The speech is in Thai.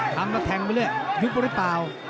ทำมาแทงไปเลยยึดป่อดิป่าว